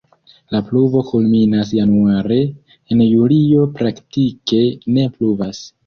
La pluvo kulminas januare, en julio praktike ne pluvas.